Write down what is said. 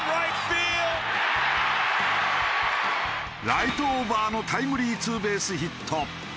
ライトオーバーのタイムリーツーベースヒット。